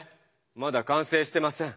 まだ完成してません。